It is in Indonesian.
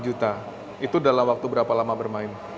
dua juta itu dalam waktu berapa lama bermain